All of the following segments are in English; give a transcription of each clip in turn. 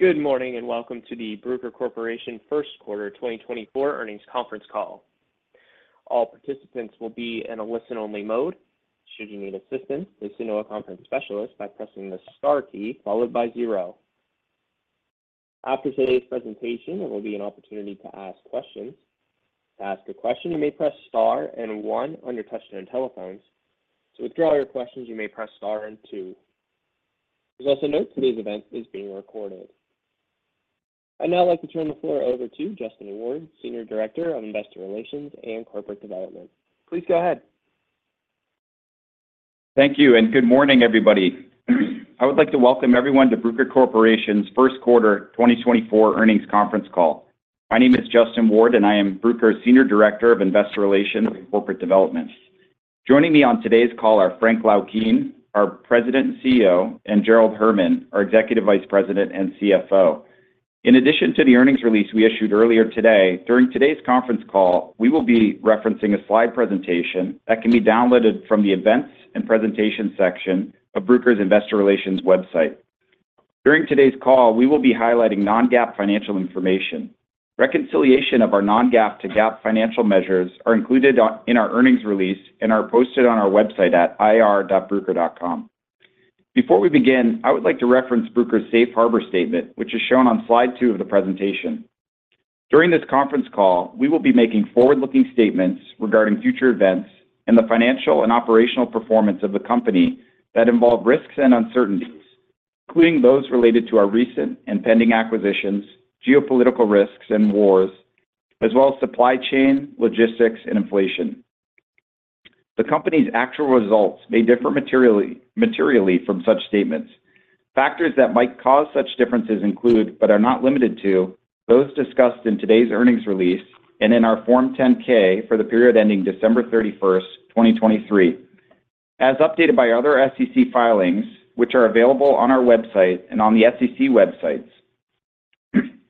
Good morning and welcome to the Bruker Corporation first quarter 2024 earnings conference call. All participants will be in a listen-only mode. Should you need assistance, please send to a conference specialist by pressing the star key followed by zero. After today's presentation, there will be an opportunity to ask questions. To ask a question, you may press star and one on your touchscreen telephones. To withdraw your questions, you may press star and two. Please also note today's event is being recorded. I'd now like to turn the floor over to Justin Ward, Senior Director of Investor Relations and Corporate Development. Please go ahead. Thank you and good morning, everybody. I would like to welcome everyone to Bruker Corporation's first quarter 2024 earnings conference call. My name is Justin Ward, and I am Bruker's Senior Director of Investor Relations and Corporate Development. Joining me on today's call are Frank Laukien, our President and CEO, and Gerald Herman, our Executive Vice President and CFO. In addition to the earnings release we issued earlier today, during today's conference call, we will be referencing a slide presentation that can be downloaded from the Events and Presentations section of Bruker's Investor Relations website. During today's call, we will be highlighting non-GAAP financial information. Reconciliation of our non-GAAP to GAAP financial measures are included in our earnings release and are posted on our website at ir.bruker.com. Before we begin, I would like to reference Bruker's Safe Harbor Statement, which is shown on slide two of the presentation. During this conference call, we will be making forward-looking statements regarding future events and the financial and operational performance of the company that involve risks and uncertainties, including those related to our recent and pending acquisitions, geopolitical risks, and wars, as well as supply chain, logistics, and inflation. The company's actual results may differ materially from such statements. Factors that might cause such differences include, but are not limited to, those discussed in today's earnings release and in our Form 10-K for the period ending December 31st, 2023, as updated by other SEC filings which are available on our website and on the SEC websites.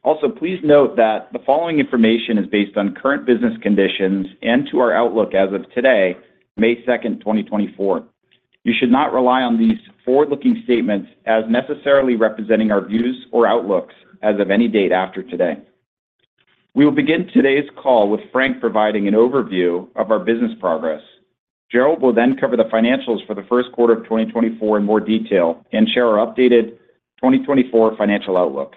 Also, please note that the following information is based on current business conditions and to our outlook as of today, May 2nd, 2024. You should not rely on these forward-looking statements as necessarily representing our views or outlooks as of any date after today. We will begin today's call with Frank providing an overview of our business progress. Gerald will then cover the financials for the first quarter of 2024 in more detail and share our updated 2024 financial outlook.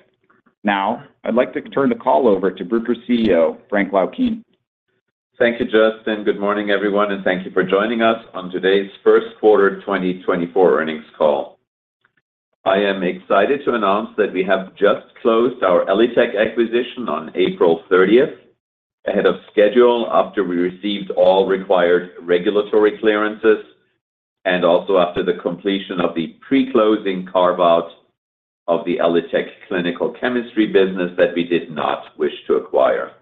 Now, I'd like to turn the call over to Bruker's CEO, Frank Laukien. Thank you, Justin. Good morning, everyone, and thank you for joining us on today's first quarter 2024 earnings call. I am excited to announce that we have just closed our ELITech acquisition on April 30th, ahead of schedule after we received all required regulatory clearances and also after the completion of the pre-closing carve-out of the ELITech clinical chemistry business that we did not wish to acquire.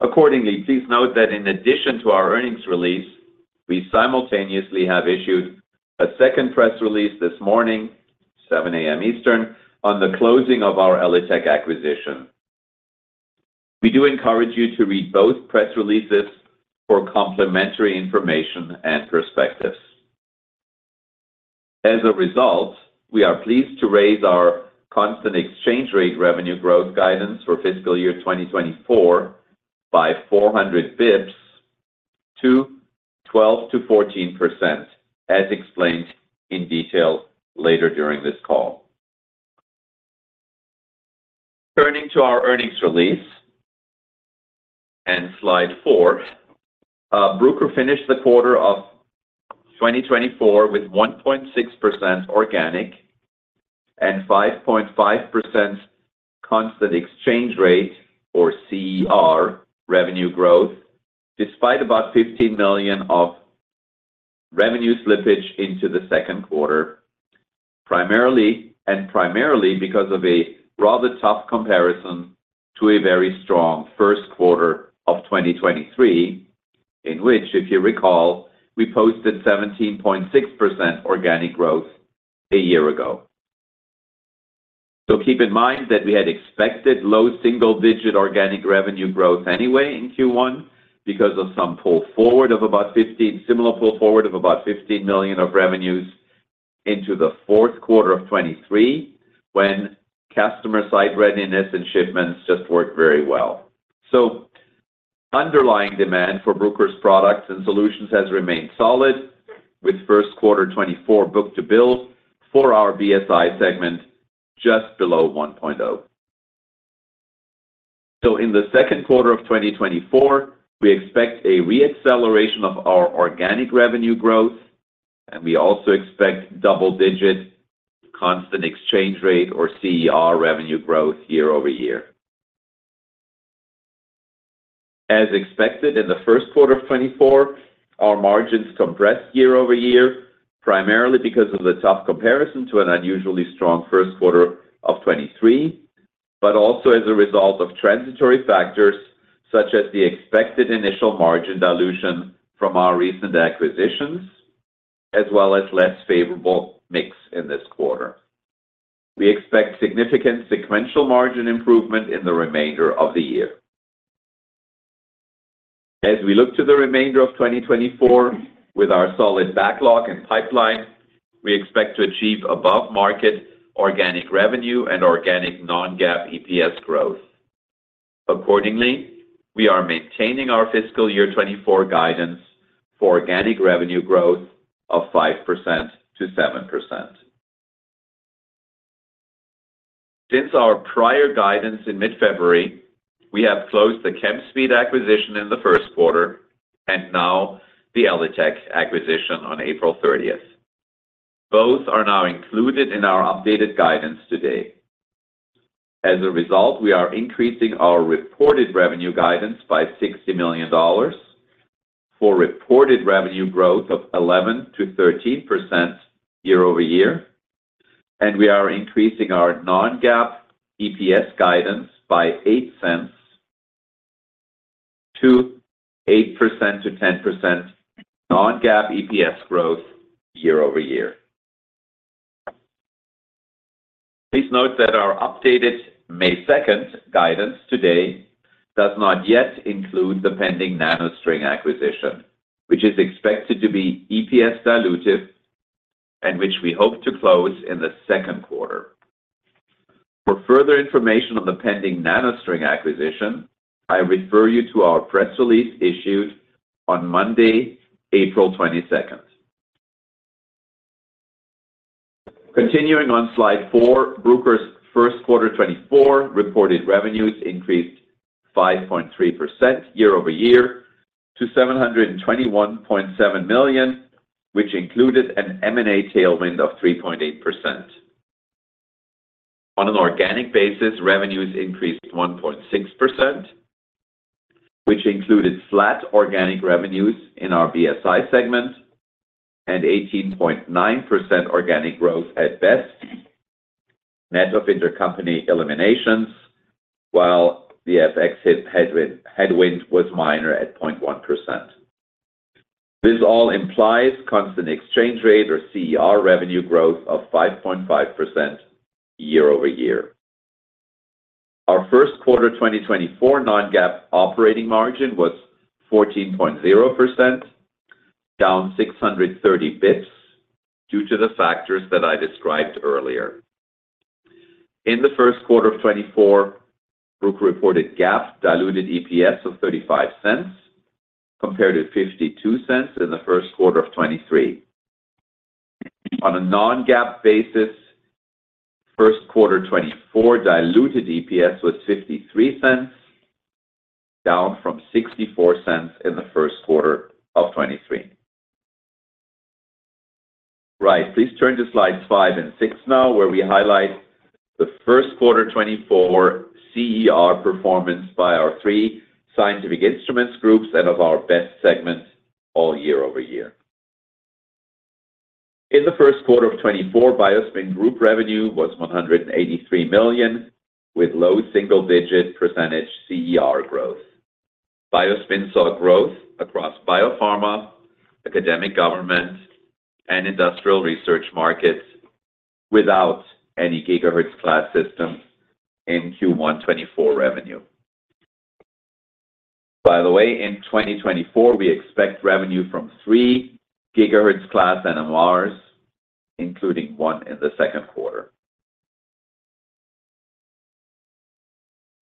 Accordingly, please note that in addition to our earnings release, we simultaneously have issued a second press release this morning, 7:00 A.M. Eastern, on the closing of our ELITech acquisition. We do encourage you to read both press releases for complementary information and perspectives. As a result, we are pleased to raise our constant exchange rate revenue growth guidance for fiscal year 2024 by 400 bips to 12%-14%, as explained in detail later during this call. Turning to our earnings release and slide four, Bruker finished the quarter of 2024 with 1.6% organic and 5.5% constant exchange rate or CER revenue growth despite about $15 million of revenue slippage into the second quarter, and primarily because of a rather tough comparison to a very strong first quarter of 2023 in which, if you recall, we posted 17.6% organic growth a year ago. So keep in mind that we had expected low single-digit organic revenue growth anyway in Q1 because of some pull forward of about $15 million of revenues into the fourth quarter of 2023 when customer site readiness and shipments just worked very well. So underlying demand for Bruker's products and solutions has remained solid, with first quarter 2024 book-to-bill for our BSI segment just below 1.0. In the second quarter of 2024, we expect a reacceleration of our organic revenue growth, and we also expect double-digit constant exchange rate or CER revenue growth year-over-year. As expected in the first quarter of 2024, our margins compressed year-over-year primarily because of the tough comparison to an unusually strong first quarter of 2023, but also as a result of transitory factors such as the expected initial margin dilution from our recent acquisitions as well as less favorable mix in this quarter. We expect significant sequential margin improvement in the remainder of the year. As we look to the remainder of 2024 with our solid backlog and pipeline, we expect to achieve above-market organic revenue and organic non-GAAP EPS growth. Accordingly, we are maintaining our fiscal year 2024 guidance for organic revenue growth of 5%-7%. Since our prior guidance in mid-February, we have closed the Chemspeed acquisition in the first quarter and now the ELITech acquisition on April 30th. Both are now included in our updated guidance today. As a result, we are increasing our reported revenue guidance by $60 million for reported revenue growth of 11%-13% year-over-year, and we are increasing our non-GAAP EPS guidance by $0.08 to 8%-10% non-GAAP EPS growth year-over-year. Please note that our updated May 2nd guidance today does not yet include the pending NanoString acquisition, which is expected to be EPS dilutive and which we hope to close in the second quarter. For further information on the pending NanoString acquisition, I refer you to our press release issued on Monday, April 22nd. Continuing on slide four, Bruker's first quarter 2024 reported revenues increased 5.3% year-over-year to $721.7 million, which included an M&A tailwind of 3.8%. On an organic basis, revenues increased 1.6%, which included flat organic revenues in our BSI segment and 18.9% organic growth at BEST, net of intercompany eliminations, while the FX headwind was minor at 0.1%. This all implies constant exchange rate or CER revenue growth of 5.5% year-over-year. Our first quarter 2024 non-GAAP operating margin was 14.0%, down 630 basis points due to the factors that I described earlier. In the first quarter of 2024, Bruker reported GAAP diluted EPS of $0.35 compared to $0.52 in the first quarter of 2023. On a non-GAAP basis, first quarter 2024 diluted EPS was $0.53, down from $0.64 in the first quarter of 2023. Right. Please turn to slides five and six now, where we highlight the first quarter 2024 CER performance by our three scientific instruments groups and of our BEST segment all year-over-year. In the first quarter of 2024, BioSpin Group revenue was $183 million with low single-digit percent CER growth. BioSpin saw growth across biopharma, academic government, and industrial research markets without any gigahertz-class system in Q1 2024 revenue. By the way, in 2024, we expect revenue from 3 gigahertz-class NMRs, including one in the second quarter.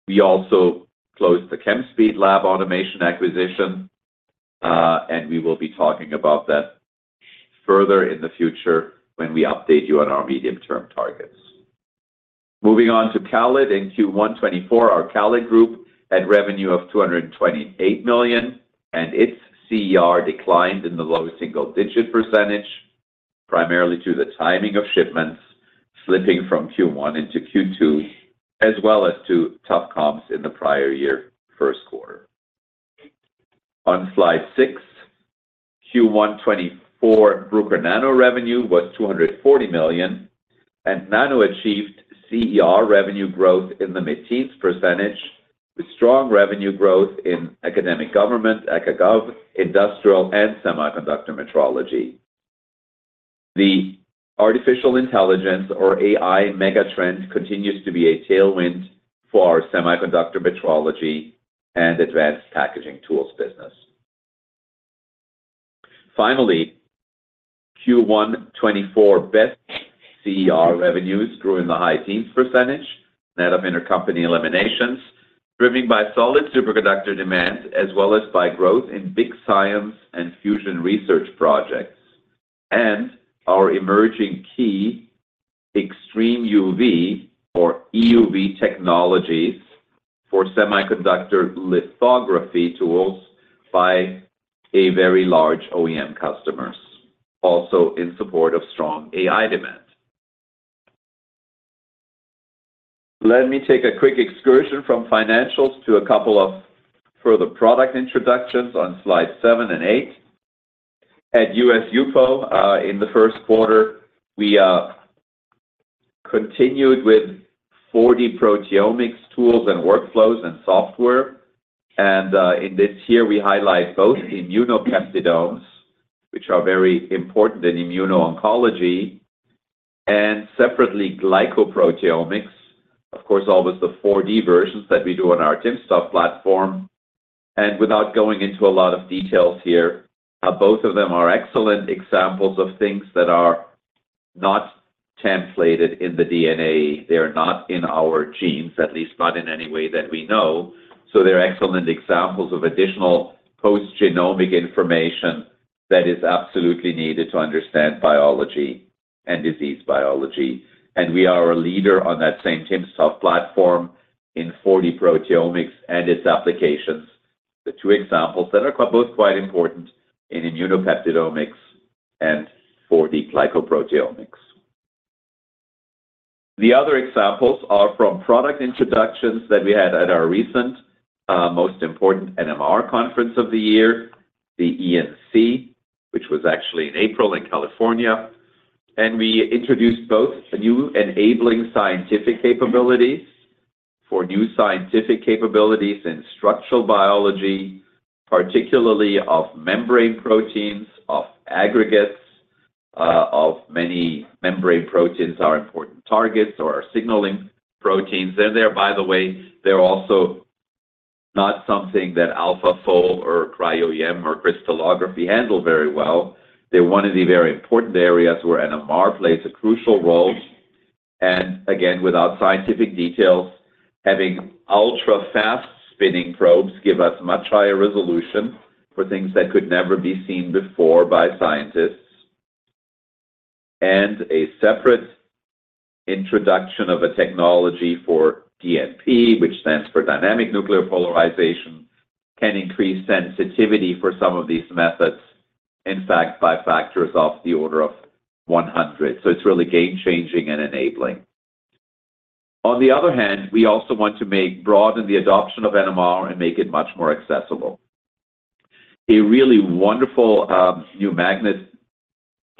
We also closed the Chemspeed lab automation acquisition, and we will be talking about that further in the future when we update you on our medium-term targets. Moving on to CALID in Q1 2024, our CALID Group had revenue of $228 million, and its CER declined in the low single-digit % primarily to the timing of shipments slipping from Q1 into Q2 as well as to tough comps in the prior year first quarter. On slide six, Q1 2024 Bruker Nano revenue was $240 million, and Nano achieved CER revenue growth in the 15% with strong revenue growth in academic government, Academic/Gov, industrial, and semiconductor metrology. The artificial intelligence or AI megatrend continues to be a tailwind for our semiconductor metrology and advanced packaging tools business. Finally, Q1 2024 BEST CER revenues grew in the high teens%, net of intercompany eliminations, driven by solid superconductor demand as well as by growth in big science and fusion research projects and our emerging key extreme UV or EUV technologies for semiconductor lithography tools by a very large OEM customers, also in support of strong AI demand. Let me take a quick excursion from financials to a couple of further product introductions on slides seven and eight. At HUPO in the first quarter, we continued with 4D-proteomics tools and workflows and software. And in this year, we highlight both immunopeptidomes, which are very important in immuno-oncology, and separately glycoproteomics. Of course, all with the 4D versions that we do on our timsTOF platform. Without going into a lot of details here, both of them are excellent examples of things that are not templated in the DNA. They are not in our genes, at least not in any way that we know. So they're excellent examples of additional post-genomic information that is absolutely needed to understand biology and disease biology. We are a leader on that same timsTOF platform in 4D-Proteomics and its applications, the two examples that are both quite important in immunopeptidomics and 4D glycoproteomics. The other examples are from product introductions that we had at our recent most important NMR conference of the year, the ENC, which was actually in April in California. We introduced both new enabling scientific capabilities for new scientific capabilities in structural biology, particularly of membrane proteins, of aggregates. Many membrane proteins are important targets or are signaling proteins. There, by the way, they're also not something that AlphaFold or CryoEM or crystallography handle very well. They're one of the very important areas where NMR plays a crucial role. Again, without scientific details, having ultra-fast spinning probes gives us much higher resolution for things that could never be seen before by scientists. A separate introduction of a technology for DNP, which stands for dynamic nuclear polarization, can increase sensitivity for some of these methods, in fact, by factors of the order of 100. So it's really game-changing and enabling. On the other hand, we also want to broaden the adoption of NMR and make it much more accessible. A really wonderful new magnet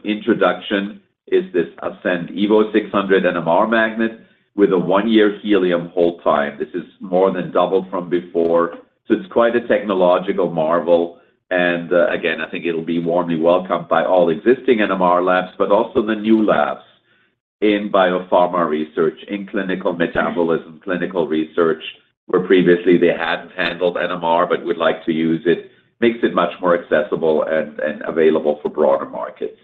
introduction is this Ascend Evo 600 NMR magnet with a 1-year helium hold time. This is more than doubled from before. So it's quite a technological marvel. And again, I think it'll be warmly welcomed by all existing NMR labs, but also the new labs in biopharma research, in clinical metabolism, clinical research, where previously they hadn't handled NMR but would like to use it, makes it much more accessible and available for broader markets.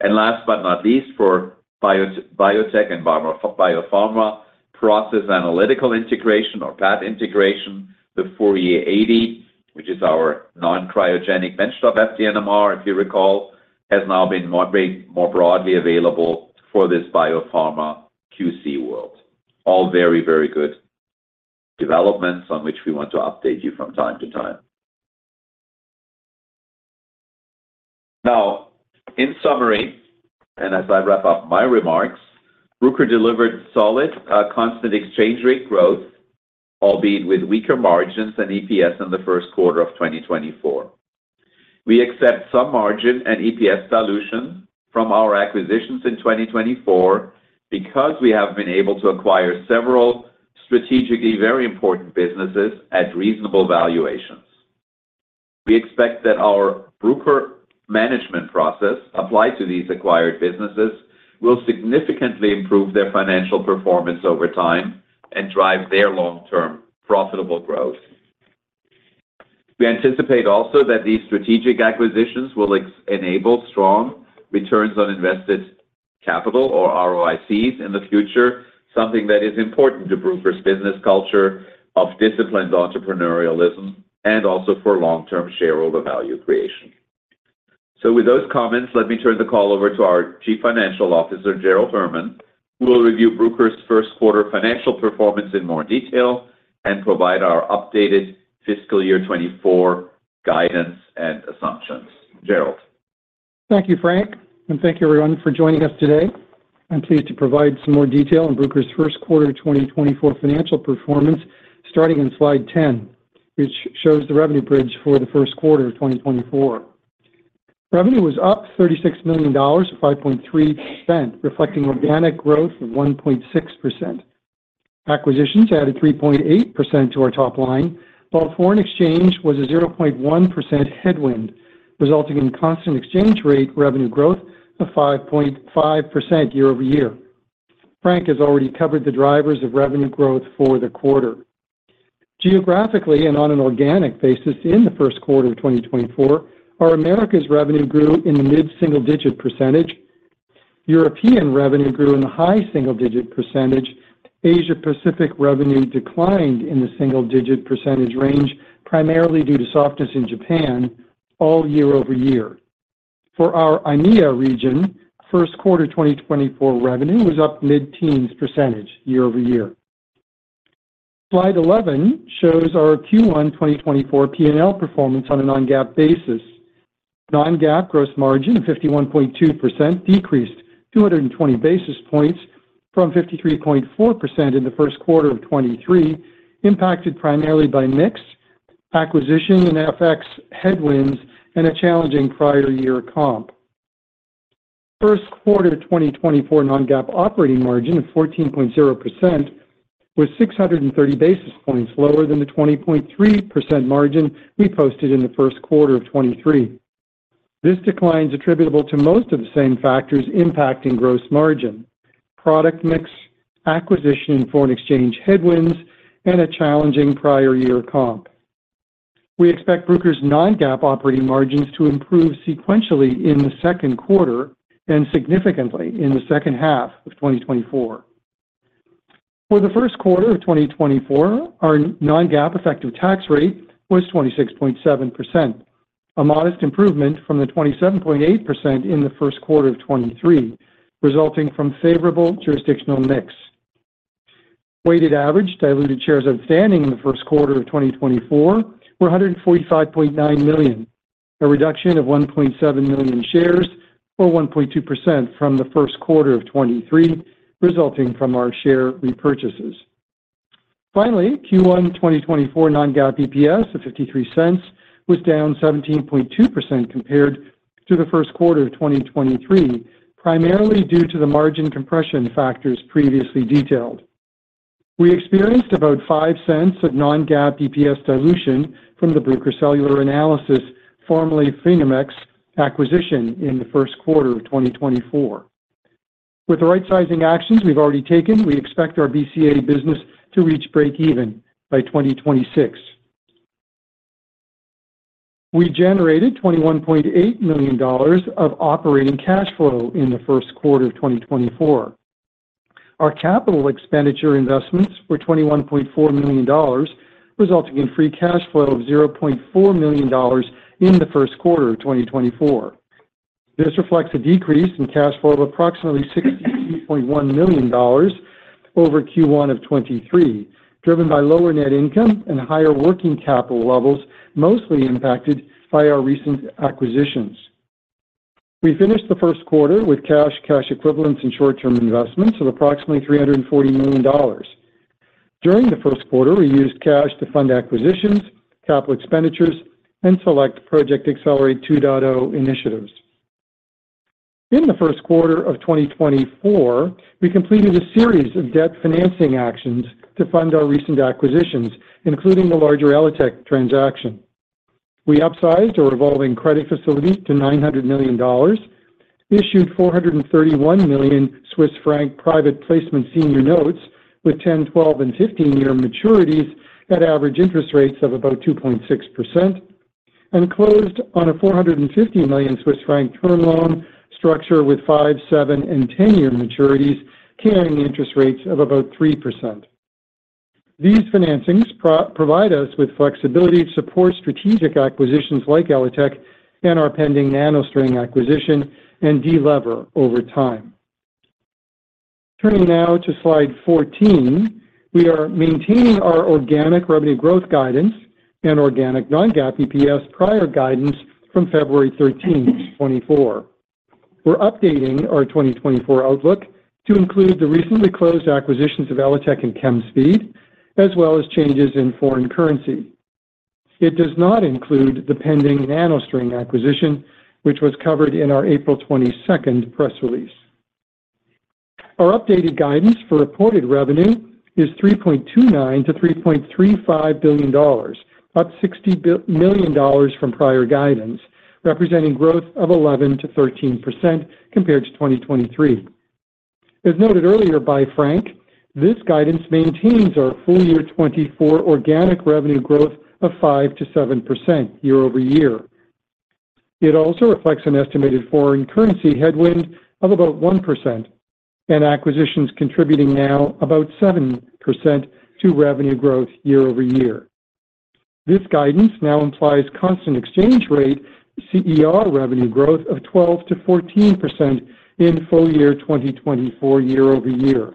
And last but not least, for biotech and biopharma, process analytical integration or PAT integration, the Fourier 80, which is our non-cryogenic benchtop Fourier NMR, if you recall, has now been more broadly available for this biopharma QC world. All very, very good developments on which we want to update you from time to time. Now, in summary, and as I wrap up my remarks, Bruker delivered solid constant exchange rate growth, albeit with weaker margins and EPS in the first quarter of 2024. We accept some margin and EPS dilution from our acquisitions in 2024 because we have been able to acquire several strategically very important businesses at reasonable valuations. We expect that our Bruker management process applied to these acquired businesses will significantly improve their financial performance over time and drive their long-term profitable growth. We anticipate also that these strategic acquisitions will enable strong returns on invested capital or ROICs in the future, something that is important to Bruker's business culture of disciplined entrepreneurialism and also for long-term shareholder value creation. So with those comments, let me turn the call over to our Chief Financial Officer, Gerald Herman, who will review Bruker's first quarter financial performance in more detail and provide our updated fiscal year 2024 guidance and assumptions. Gerald. Thank you, Frank, and thank you, everyone, for joining us today. I'm pleased to provide some more detail on Bruker's first quarter 2024 financial performance starting in slide 10, which shows the revenue bridge for the first quarter of 2024. Revenue was up $36 million or 5.3%, reflecting organic growth of 1.6%. Acquisitions added 3.8% to our top line, while foreign exchange was a 0.1% headwind, resulting in constant exchange rate revenue growth of 5.5% year-over-year. Frank has already covered the drivers of revenue growth for the quarter. Geographically and on an organic basis in the first quarter of 2024, our Americas revenue grew in the mid-single-digit percentage. European revenue grew in the high single-digit percentage. Asia-Pacific revenue declined in the single-digit percentage range primarily due to softness in Japan year-over-year. For our EMEA region, first quarter 2024 revenue was up mid-teens percent year-over-year. Slide 11 shows our Q1 2024 P&L performance on a non-GAAP basis. Non-GAAP gross margin of 51.2% decreased 220 basis points from 53.4% in the first quarter of 2023, impacted primarily by mix, acquisition and FX headwinds and a challenging prior year comp. First quarter 2024 non-GAAP operating margin of 14.0% was 630 basis points lower than the 20.3% margin we posted in the first quarter of 2023. This decline is attributable to most of the same factors impacting gross margin: product mix, acquisition and foreign exchange headwinds, and a challenging prior year comp. We expect Bruker's non-GAAP operating margins to improve sequentially in the second quarter and significantly in the second half of 2024. For the first quarter of 2024, our non-GAAP effective tax rate was 26.7%, a modest improvement from the 27.8% in the first quarter of 2023, resulting from favorable jurisdictional mix. Weighted average diluted shares outstanding in the first quarter of 2024 were 145.9 million, a reduction of 1.7 million shares or 1.2% from the first quarter of 2023, resulting from our share repurchases. Finally, Q1 2024 non-GAAP EPS of $0.53 was down 17.2% compared to the first quarter of 2023, primarily due to the margin compression factors previously detailed. We experienced about $0.05 of non-GAAP EPS dilution from the Bruker Cellular Analysis, formerly PhenomeX, acquisition in the first quarter of 2024. With the right-sizing actions we've already taken, we expect our BCA business to reach break-even by 2026. We generated $21.8 million of operating cash flow in the first quarter of 2024. Our capital expenditure investments were $21.4 million, resulting in free cash flow of $0.4 million in the first quarter of 2024. This reflects a decrease in cash flow of approximately $62.1 million over Q1 of 2023, driven by lower net income and higher working capital levels, mostly impacted by our recent acquisitions. We finished the first quarter with cash, cash equivalents, and short-term investments of approximately $340 million. During the first quarter, we used cash to fund acquisitions, capital expenditures, and select Project Accelerate 2.0 initiatives. In the first quarter of 2024, we completed a series of debt financing actions to fund our recent acquisitions, including the larger ELITech transaction. We upsized our revolving credit facility to $900 million, issued 431 million Swiss franc private placement senior notes with 10, 12, and 15-year maturities at average interest rates of about 2.6%, and closed on a 450 million Swiss franc term loan structure with five, seven, and 10-year maturities carrying interest rates of about 3%. These financings provide us with flexibility to support strategic acquisitions like ELITechGroup and our pending NanoString acquisition and de-lever over time. Turning now to slide 14, we are maintaining our organic revenue growth guidance and organic non-GAAP EPS prior guidance from February 13, 2024. We're updating our 2024 outlook to include the recently closed acquisitions of ELITechGroup and Chemspeed, as well as changes in foreign currency. It does not include the pending NanoString acquisition, which was covered in our April 22nd press release. Our updated guidance for reported revenue is $3.29-$3.35 billion, up $60 million from prior guidance, representing growth of 11%-13% compared to 2023. As noted earlier by Frank, this guidance maintains our full year 2024 organic revenue growth of 5%-7% year-over-year. It also reflects an estimated foreign currency headwind of about 1% and acquisitions contributing now about 7% to revenue growth year-over-year. This guidance now implies constant exchange rate CER revenue growth of 12%-14% in full year 2024 year-over-year.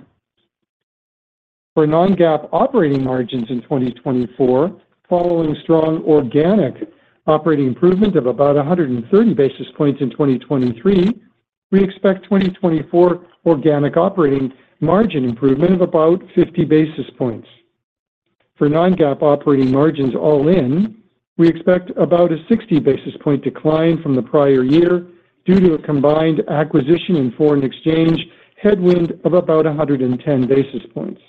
For non-GAAP operating margins in 2024, following strong organic operating improvement of about 130 basis points in 2023, we expect 2024 organic operating margin improvement of about 50 basis points. For non-GAAP operating margins all in, we expect about a 60 basis point decline from the prior year due to a combined acquisition and foreign exchange headwind of about 110 basis points.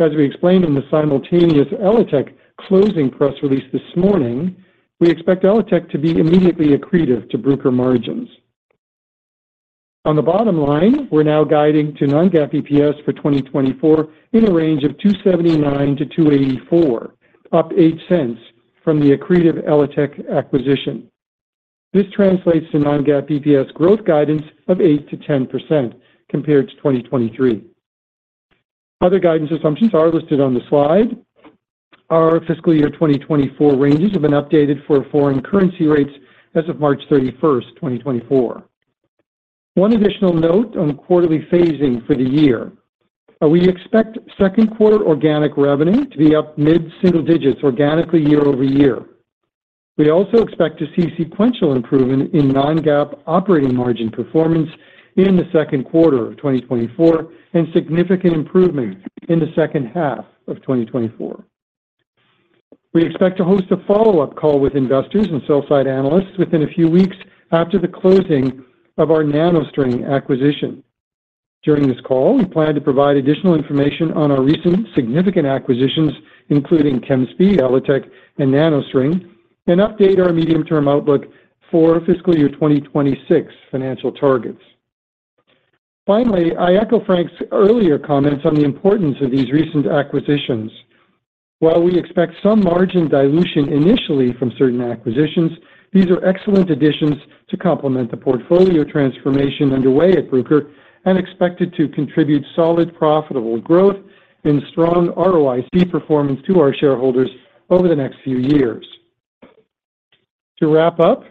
As we explained in the simultaneous ELITech closing press release this morning, we expect ELITech to be immediately accretive to Bruker margins. On the bottom line, we're now guiding to non-GAAP EPS for 2024 in a range of $2.79-$2.84, up $0.08 from the accretive ELITech acquisition. This translates to non-GAAP EPS growth guidance of 8%-10% compared to 2023. Other guidance assumptions are listed on the slide. Our fiscal year 2024 ranges have been updated for foreign currency rates as of March 31, 2024. One additional note on quarterly phasing for the year. We expect second quarter organic revenue to be up mid-single digits organically year-over-year. We also expect to see sequential improvement in non-GAAP operating margin performance in the second quarter of 2024 and significant improvement in the second half of 2024. We expect to host a follow-up call with investors and sell-side analysts within a few weeks after the closing of our NanoString acquisition. During this call, we plan to provide additional information on our recent significant acquisitions, including Chemspeed, ELITech, and NanoString, and update our medium-term outlook for fiscal year 2026 financial targets. Finally, I echo Frank's earlier comments on the importance of these recent acquisitions. While we expect some margin dilution initially from certain acquisitions, these are excellent additions to complement the portfolio transformation underway at Bruker and expected to contribute solid profitable growth and strong ROIC performance to our shareholders over the next few years. To wrap up,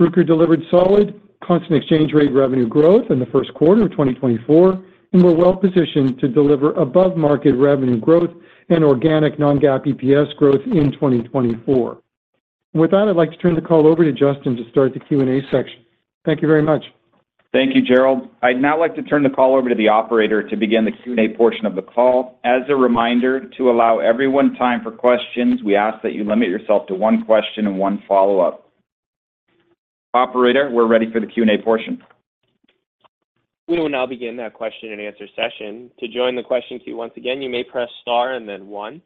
Bruker delivered solid constant exchange rate revenue growth in the first quarter of 2024 and we're well positioned to deliver above-market revenue growth and organic non-GAAP EPS growth in 2024. And with that, I'd like to turn the call over to Justin to start the Q&A section. Thank you very much. Thank you, Gerald. I'd now like to turn the call over to the operator to begin the Q&A portion of the call. As a reminder, to allow everyone time for questions, we ask that you limit yourself to one question and one follow-up. Operator, we're ready for the Q&A portion. We will now begin that question and answer session. To join the question queue once again, you may press star and then one.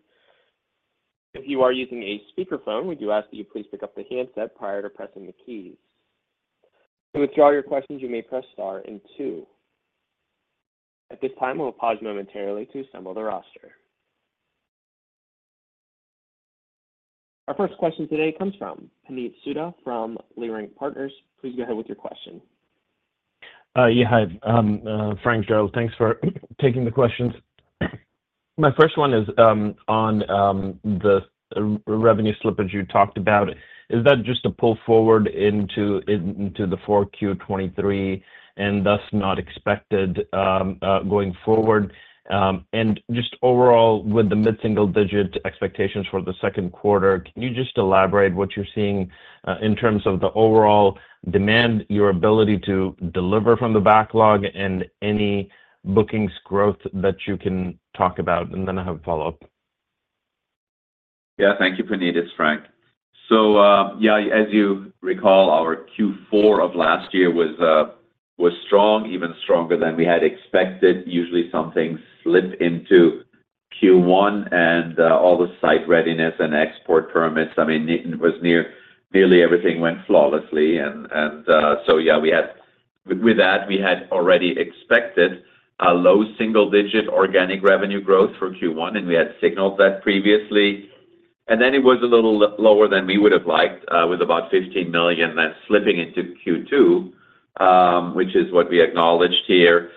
If you are using a speakerphone, we do ask that you please pick up the handset prior to pressing the keys. To withdraw your questions, you may press star and two. At this time, we'll pause momentarily to assemble the roster. Our first question today comes from Puneet Souda from Leerink Partners. Please go ahead with your question. Yeah, hi, Frank, Gerald. Thanks for taking the questions. My first one is on the revenue slippage you talked about. Is that just a pull forward into the 4Q23 and thus not expected going forward? And just overall, with the mid-single digit expectations for the second quarter, can you just elaborate what you're seeing in terms of the overall demand, your ability to deliver from the backlog, and any bookings growth that you can talk about? And then I'll have a follow-up. Yeah, thank you, Puneet, it's Frank. So yeah, as you recall, our Q4 of last year was strong, even stronger than we had expected. Usually, something slips into Q1, and all the site readiness and export permits, I mean, nearly everything went flawlessly. So yeah, with that, we had already expected a low single-digit organic revenue growth for Q1, and we had signaled that previously. Then it was a little lower than we would have liked, with about $15 million then slipping into Q2, which is what we acknowledged here.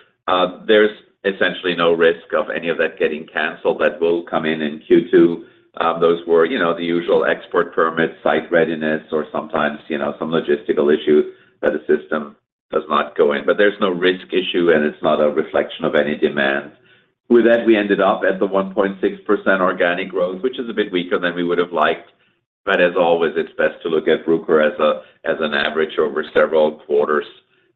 There's essentially no risk of any of that getting canceled. That will come in in Q2. Those were the usual export permits, site readiness, or sometimes some logistical issue that a system does not go in. But there's no risk issue, and it's not a reflection of any demand. With that, we ended up at the 1.6% organic growth, which is a bit weaker than we would have liked. But as always, it's best to look at Bruker as an average over several quarters.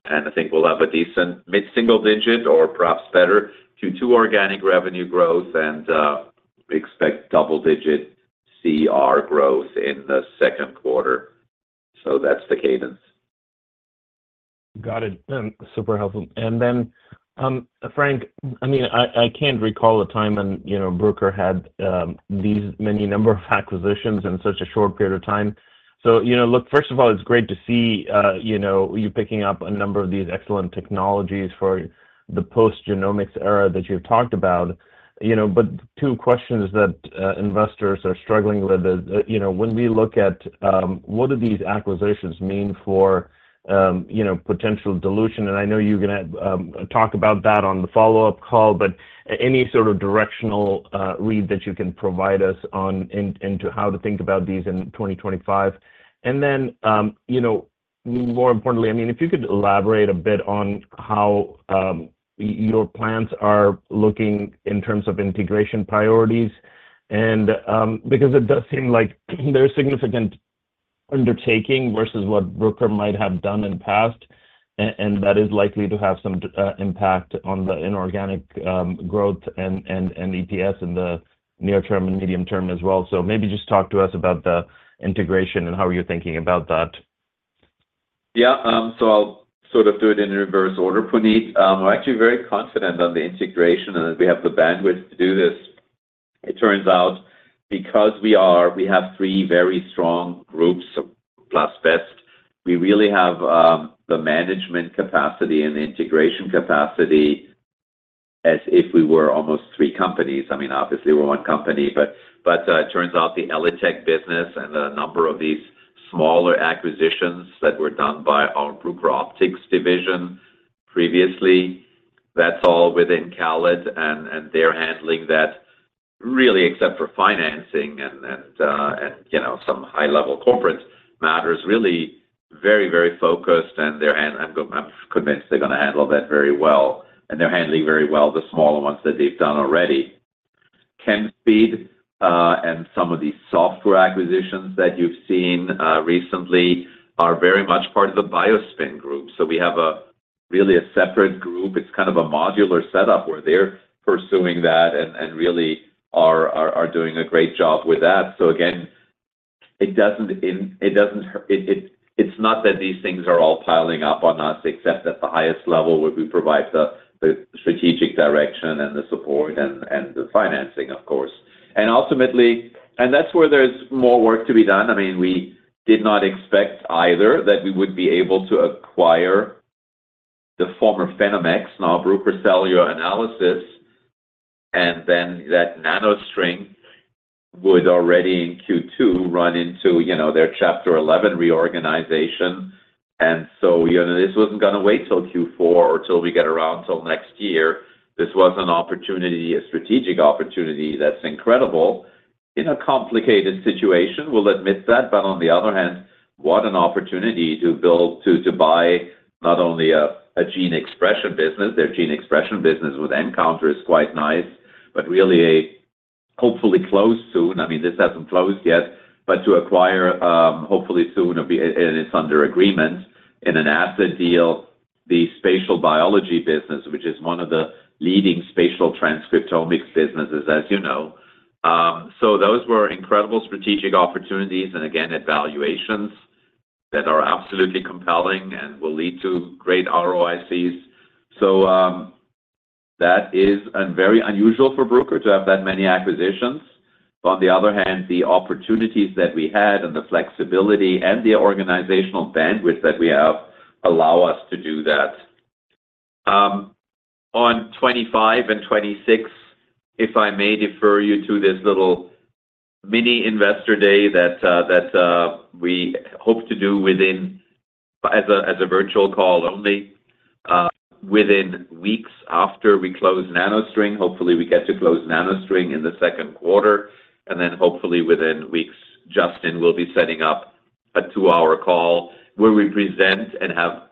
And I think we'll have a decent mid-single digit, or perhaps better, Q2 organic revenue growth, and we expect double-digit CER growth in the second quarter. So that's the cadence. Got it. Super helpful. And then, Frank, I mean, I can't recall a time when Bruker had this many number of acquisitions in such a short period of time. So look, first of all, it's great to see you picking up a number of these excellent technologies for the post-genomics era that you've talked about. But two questions that investors are struggling with is, when we look at what do these acquisitions mean for potential dilution? And I know you're going to talk about that on the follow-up call, but any sort of directional read that you can provide us on into how to think about these in 2025. And then more importantly, I mean, if you could elaborate a bit on how your plans are looking in terms of integration priorities. Because it does seem like there's significant undertaking versus what Bruker might have done in the past, and that is likely to have some impact on the inorganic growth and EPS in the near-term and medium-term as well. So maybe just talk to us about the integration and how you're thinking about that. Yeah. So I'll sort of do it in reverse order, Puneet. I'm actually very confident on the integration, and we have the bandwidth to do this. It turns out, because we have three very strong groups plus BEST, we really have the management capacity and the integration capacity as if we were almost three companies. I mean, obviously, we're one company, but it turns out the ELITech business and the number of these smaller acquisitions that were done by our Bruker Optics division previously, that's all within CALID, and they're handling that really except for financing and some high-level corporate matters, really very, very focused. And I'm convinced they're going to handle that very well. And they're handling very well the smaller ones that they've done already. Chemspeed and some of these software acquisitions that you've seen recently are very much part of the BioSpin group. So we have really a separate group. It's kind of a modular setup where they're pursuing that and really are doing a great job with that. So again, it doesn't, it's not that these things are all piling up on us, except at the highest level where we provide the strategic direction and the support and the financing, of course. And that's where there's more work to be done. I mean, we did not expect either that we would be able to acquire the former PhenomeX, now Bruker Cellular Analysis, and then that NanoString would already in Q2 run into their Chapter 11 reorganization. And so this wasn't going to wait till Q4 or till we get around till next year. This was an opportunity, a strategic opportunity that's incredible in a complicated situation. We'll admit that. But on the other hand, what an opportunity to buy not only a gene expression business. Their gene expression business with nCounter is quite nice, but really a hopefully close soon. I mean, this hasn't closed yet, but to acquire hopefully soon and it's under agreement in an asset deal, the spatial biology business, which is one of the leading spatial transcriptomics businesses, as you know. So those were incredible strategic opportunities and, again, evaluations that are absolutely compelling and will lead to great ROICs. So that is very unusual for Bruker to have that many acquisitions. But on the other hand, the opportunities that we had and the flexibility and the organizational bandwidth that we have allow us to do that. On 25 and 26, if I may defer you to this little mini investor day that we hope to do as a virtual call only, within weeks after we close NanoString, hopefully, we get to close NanoString in the second quarter. And then hopefully, within weeks, Justin will be setting up a two hour call where we present and have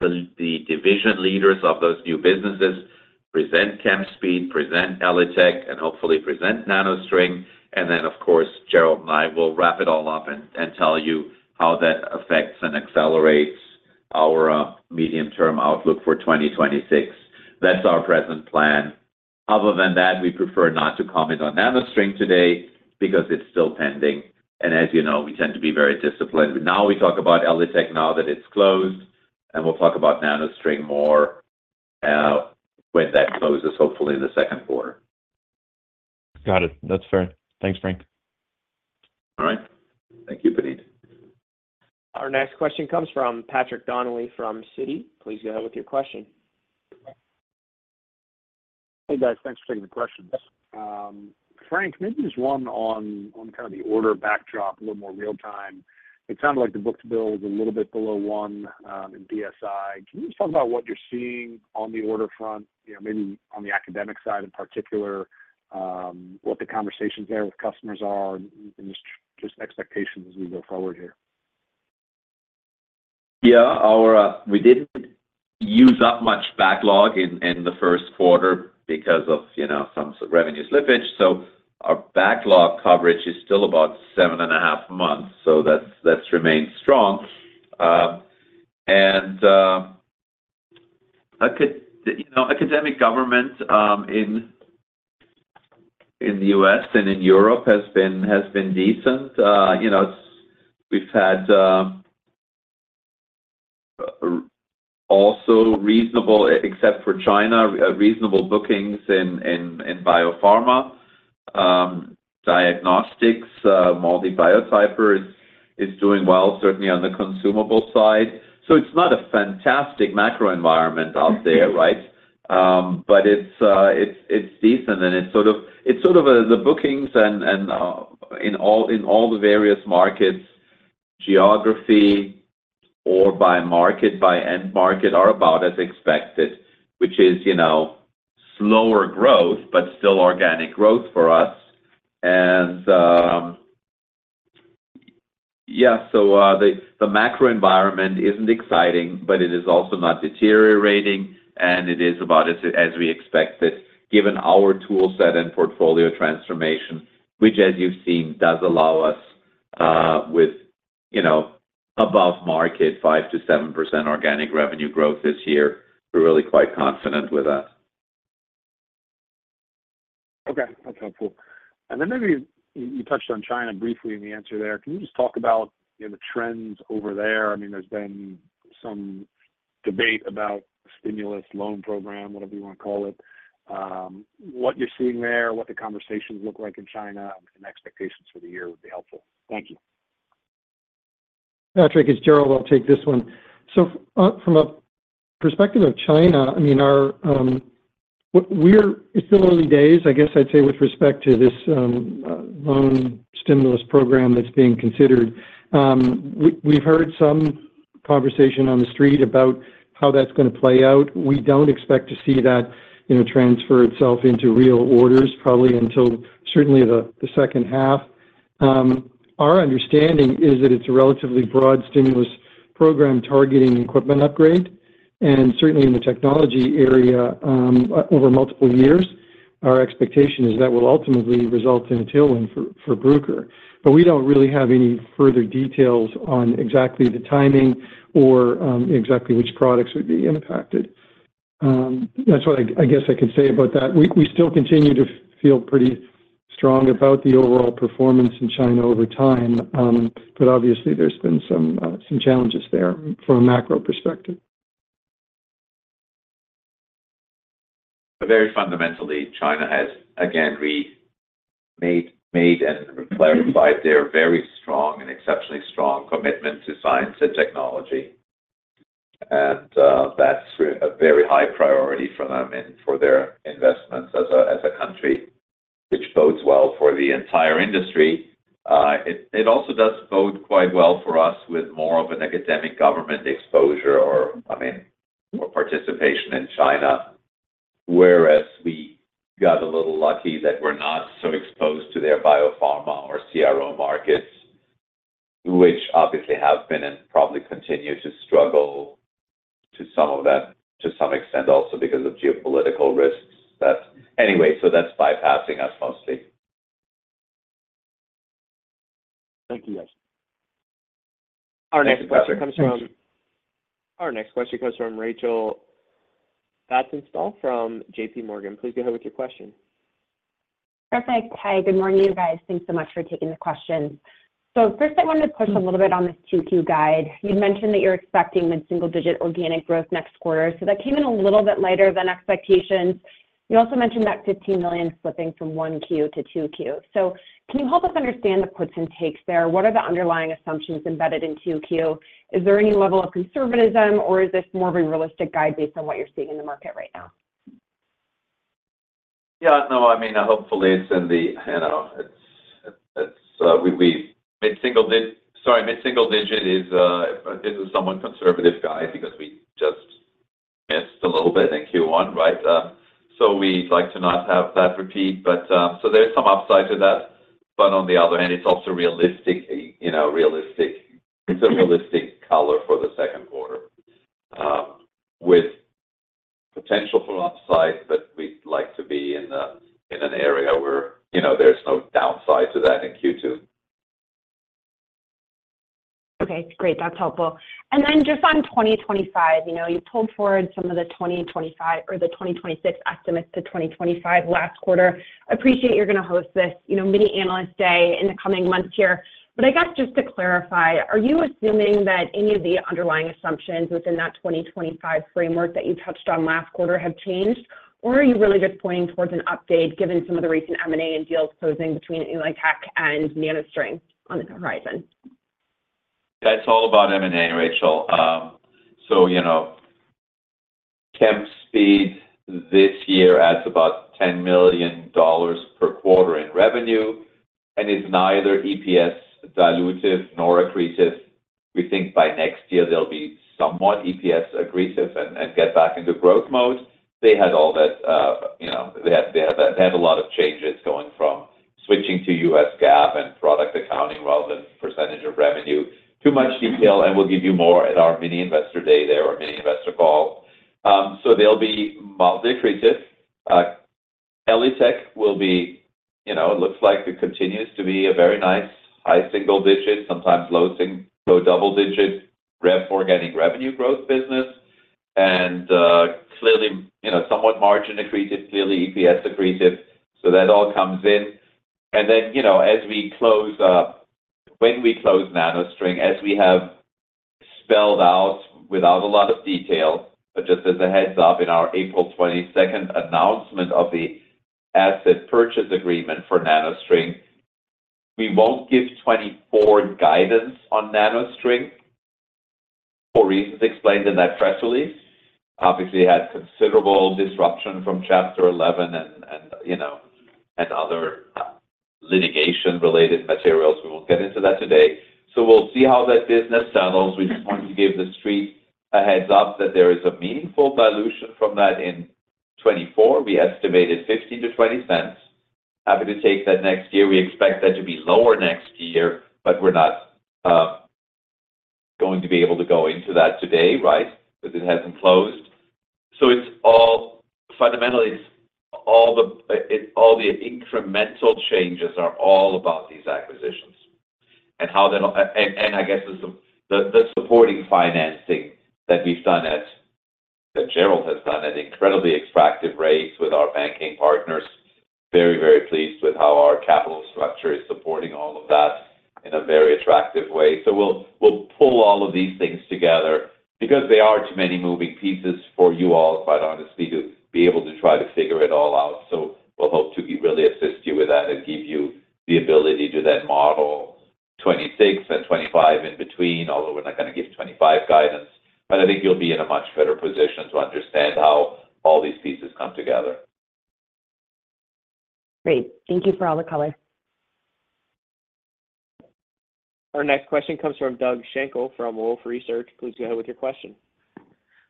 the division leaders of those new businesses present Chemspeed, present ELITechGroup, and hopefully present NanoString. And then, of course, Gerald and I will wrap it all up and tell you how that affects and accelerates our medium-term outlook for 2026. That's our present plan. Other than that, we prefer not to comment on NanoString today because it's still pending. And as you know, we tend to be very disciplined. Now we talk about ELITech now that it's closed, and we'll talk about NanoString more when that closes, hopefully, in the second quarter. Got it. That's fair. Thanks, Frank. All right. Thank you, Puneet. Our next question comes from Patrick Donnelly from Citi. Please go ahead with your question. Hey, guys. Thanks for taking the questions. Frank, maybe just one on kind of the order backdrop, a little more real-time. It sounded like the book-to-bill was a little bit below one in BSI. Can you just talk about what you're seeing on the order front, maybe on the academic side in particular, what the conversations there with customers are, and just expectations as we go forward here? Yeah. We didn't use up much backlog in the first quarter because of some revenue slippage. So our backlog coverage is still about 7.5 months, so that's remained strong. And academic government in the U.S. and in Europe has been decent. We've had also reasonable, except for China, reasonable bookings in biopharma. Diagnostics, MALDI Biotyper, is doing well, certainly on the consumable side. So it's not a fantastic macro environment out there, right? But it's decent, and it's sort of the bookings in all the various markets, geography, or by market, by end market, are about as expected, which is slower growth but still organic growth for us. Yeah, so the macro environment isn't exciting, but it is also not deteriorating, and it is about as we expected, given our toolset and portfolio transformation, which, as you've seen, does allow us with above-market 5%-7% organic revenue growth this year. We're really quite confident with that. Okay. That's helpful. And then maybe you touched on China briefly in the answer there. Can you just talk about the trends over there? I mean, there's been some debate about stimulus loan program, whatever you want to call it. What you're seeing there, what the conversations look like in China, and expectations for the year would be helpful. Thank you. Patrick, it's Gerald. I'll take this one. So from a perspective of China, I mean, it's still early days, I guess I'd say, with respect to this loan stimulus program that's being considered. We've heard some conversation on the street about how that's going to play out. We don't expect to see that transfer itself into real orders, probably until certainly the second half. Our understanding is that it's a relatively broad stimulus program targeting equipment upgrade. And certainly, in the technology area, over multiple years, our expectation is that will ultimately result in a tailwind for Bruker. But we don't really have any further details on exactly the timing or exactly which products would be impacted. That's what I guess I could say about that. We still continue to feel pretty strong about the overall performance in China over time. But obviously, there's been some challenges there from a macro perspective. But very fundamentally, China has, again, made and clarified their very strong and exceptionally strong commitment to science and technology. And that's a very high priority for them and for their investments as a country, which bodes well for the entire industry. It also does bode quite well for us with more of an academic government exposure or, I mean, more participation in China. Whereas we got a little lucky that we're not so exposed to their biopharma or CRO markets, which obviously have been and probably continue to struggle to some extent also because of geopolitical risks that anyway, so that's bypassing us mostly. Thank you, guys. Our next question comes from Rachel Vatnsdal from J.P. Morgan. Please go ahead with your question. Perfect. Hi. Good morning, you guys. Thanks so much for taking the questions. So first, I wanted to push a little bit on this 2Q guide. You'd mentioned that you're expecting mid-single-digit organic growth next quarter. So that came in a little bit lighter than expectations. You also mentioned that $15 million slipping from 1Q to 2Q. So can you help us understand the puts and takes there? What are the underlying assumptions embedded in 2Q? Is there any level of conservatism, or is this more of a realistic guide based on what you're seeing in the market right now? Yeah. No. I mean, hopefully, it's in the mid-single-digit is a somewhat conservative guide because we just missed a little bit in Q1, right? So we'd like to not have that repeat. So there's some upside to that. But on the other hand, it's also realistic, it's a realistic color for the second quarter with potential for upside, but we'd like to be in an area where there's no downside to that in Q2. Okay. Great. That's helpful. And then just on 2025, you've pulled forward some of the 2025 or the 2026 estimates to 2025 last quarter. Appreciate you're going to host this mini analyst day in the coming months here. But I guess just to clarify, are you assuming that any of the underlying assumptions within that 2025 framework that you touched on last quarter have changed, or are you really just pointing towards an update given some of the recent M&A and deals closing between ELITech and NanoString on the horizon? That's all about M&A, Rachel. So Chemspeed this year adds about $10 million per quarter in revenue, and it's neither EPS dilutive nor accretive. We think by next year, they'll be somewhat EPS-accretive and get back into growth mode. They had a lot of changes going from switching to U.S. GAAP and product accounting rather than percentage of revenue. Too much detail, and we'll give you more at our mini investor day there or mini investor call. So they'll be mildly accretive. ELITech will be it looks like it continues to be a very nice high single-digit, sometimes low double-digit organic revenue growth business and clearly somewhat margin accretive, clearly EPS-accretive. So that all comes in. And then as we close up when we close NanoString, as we have spelled out without a lot of detail, but just as a heads-up in our April 22nd announcement of the asset purchase agreement for NanoString, we won't give 2024 guidance on NanoString for reasons explained in that press release. Obviously, it had considerable disruption from Chapter 11 and other litigation-related materials. We won't get into that today. So we'll see how that business settles. We just wanted to give the street a heads-up that there is a meaningful dilution from that in 2024. We estimated $0.15-$0.20. Happy to take that next year. We expect that to be lower next year, but we're not going to be able to go into that today, right, because it hasn't closed. So fundamentally, all the incremental changes are all about these acquisitions and how that and I guess the supporting financing that we've done that Gerald has done at incredibly attractive rates with our banking partners, very, very pleased with how our capital structure is supporting all of that in a very attractive way. So we'll pull all of these things together because they are too many moving pieces for you all, quite honestly, to be able to try to figure it all out. So we'll hope to really assist you with that and give you the ability to then model 2026 and 2025 in between, although we're not going to give 2025 guidance. But I think you'll be in a much better position to understand how all these pieces come together. Great. Thank you for all the color. Our next question comes from Doug Schenkel from Wolfe Research. Please go ahead with your question.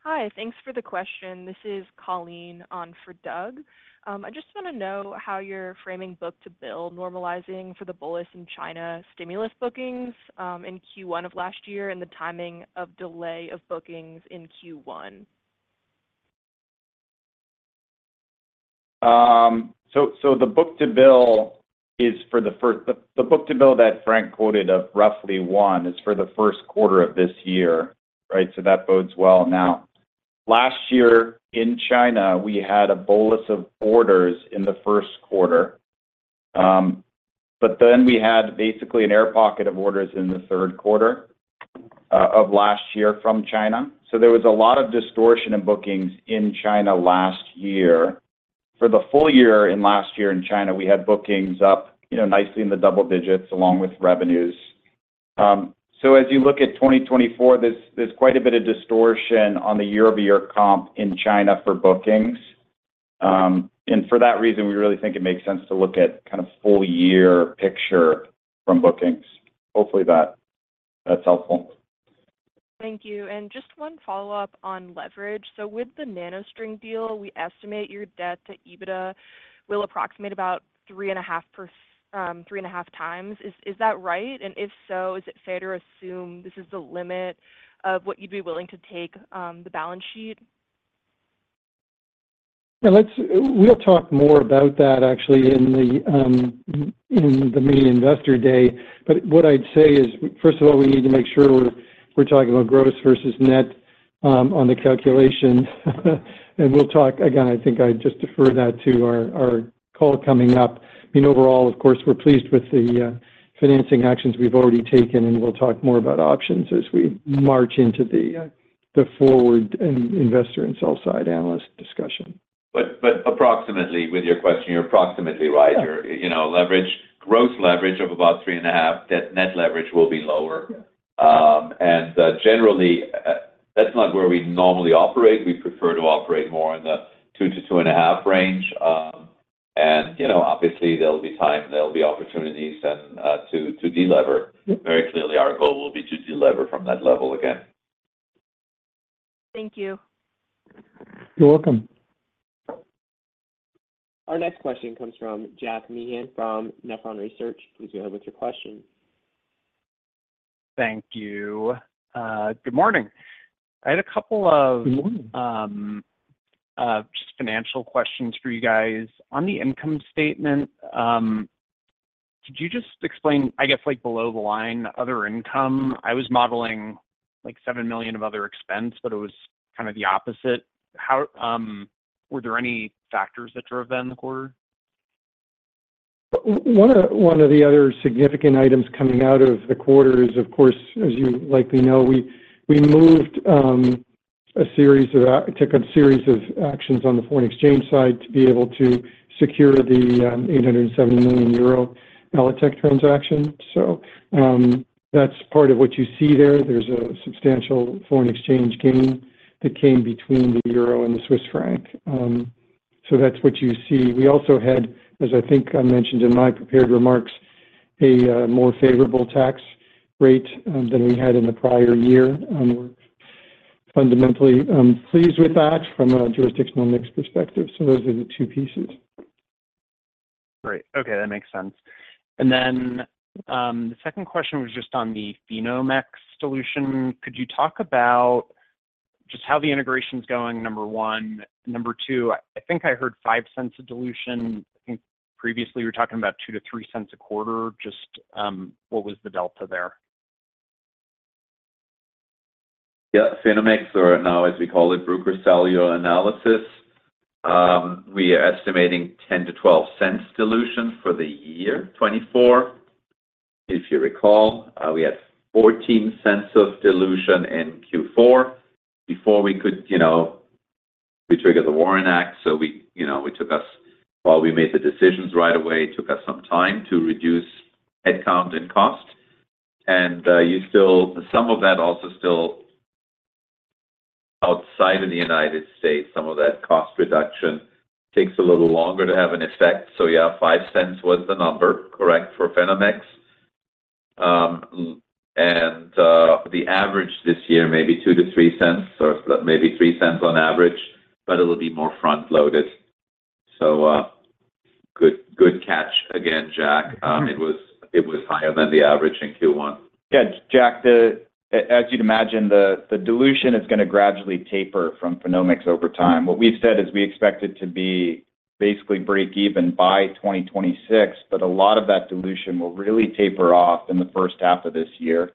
Hi. Thanks for the question. This is Colleen on for Doug. I just want to know how you're framing booked to bill normalizing for the bullish in China stimulus bookings in Q1 of last year and the timing of delay of bookings in Q1. So the book-to-bill that Frank quoted of roughly 1 is for the first quarter of this year, right? So that bodes well. Now, last year in China, we had a bulge of orders in the first quarter. But then we had basically an air pocket of orders in the third quarter of last year from China. So there was a lot of distortion in bookings in China last year. For the full year last year in China, we had bookings up nicely in the double digits along with revenues. So as you look at 2024, there's quite a bit of distortion on the year-over-year comp in China for bookings. And for that reason, we really think it makes sense to look at kind of full-year picture from bookings. Hopefully, that's helpful. Thank you. And just one follow-up on leverage. So with the NanoString deal, we estimate your debt to EBITDA will approximate about 3.5x. Is that right? And if so, is it fair to assume this is the limit of what you'd be willing to take the balance sheet? Yeah. We'll talk more about that, actually, in the mini investor day. But what I'd say is, first of all, we need to make sure we're talking about gross versus net on the calculation. And again, I think I'd just defer that to our call coming up. I mean, overall, of course, we're pleased with the financing actions we've already taken, and we'll talk more about options as we march into the forward investor and sell-side analyst discussion. But approximately, with your question, you're approximately right. Gross leverage of about 3.5. Net leverage will be lower. And generally, that's not where we normally operate. We prefer to operate more in the 2-2.5 range. And obviously, there'll be time. There'll be opportunities to delever. Very clearly, our goal will be to delever from that level again. Thank you. You're welcome. Our next question comes from Jack Meehan from Nephron Research. Please go ahead with your question. Thank you. Good morning. I had a couple of just financial questions for you guys. On the income statement, could you just explain, I guess, below the line, other income? I was modeling $7 million of other expense, but it was kind of the opposite. Were there any factors that drove that in the quarter? One of the other significant items coming out of the quarter is, of course, as you likely know, we took a series of actions on the foreign exchange side to be able to secure the 870 million euro ELITech transaction. So that's part of what you see there. There's a substantial foreign exchange gain that came between the euro and the Swiss franc. So that's what you see. We also had, as I think I mentioned in my prepared remarks, a more favorable tax rate than we had in the prior year. We're fundamentally pleased with that from a jurisdictional mix perspective. So those are the two pieces. Great. Okay. That makes sense. And then the second question was just on the PhenomeX dilution. Could you talk about just how the integration's going, number one? Number two, I think I heard $0.05 of dilution. I think previously, we were talking about $0.02-$0.03 a quarter. Just what was the delta there? Yeah. PhenomeX, or now as we call it, Bruker Cellular Analysis. We are estimating $0.10-$0.12 dilution for the year 2024. If you recall, we had $0.14 of dilution in Q4 before we could, we triggered the WARN Act. So while we made the decisions right away, it took us some time to reduce headcount and cost. And some of that also still outside of the United States, some of that cost reduction takes a little longer to have an effect. So yeah, $0.05 was the number, correct, for PhenomeX. And the average this year may be $0.02-$0.03 or maybe $0.03 on average, but it'll be more front-loaded. So good catch again, Jack. It was higher than the average in Q1. Yeah. Jack, as you'd imagine, the dilution is going to gradually taper from PhenomeX over time. What we've said is we expect it to be basically break-even by 2026, but a lot of that dilution will really taper off in the first half of this year.